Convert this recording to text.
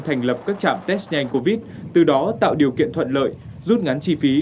thành lập các trạm test nhanh covid từ đó tạo điều kiện thuận lợi rút ngắn chi phí